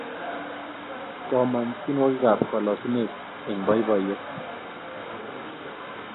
Soman tienwogik ab kolosunet eng boiboyet